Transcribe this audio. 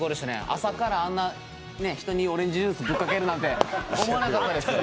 朝からあんな人にオレンジジュースかけるなんて思わなかったです。